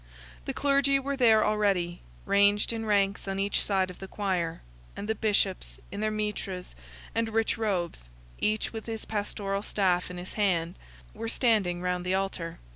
The clergy were there already, ranged in ranks on each side of the Choir; and the Bishops, in their mitres and rich robes, each with his pastoral staff in his hand, were standing round the Altar.